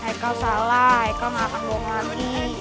hai kau salah kau gak akan bohong lagi